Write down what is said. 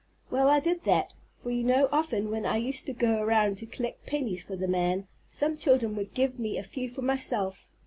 "Well, I did that, for you know often when I used to go around to collect pennies for the man, some children would give me a few for myself.